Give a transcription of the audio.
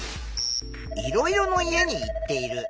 「いろいろの家にいっている」。